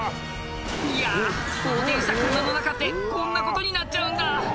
いや横転した車の中ってこんなことになっちゃうんだ